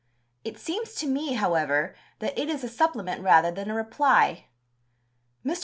It seems to me, however, that it is a supplement rather than a reply. Mr.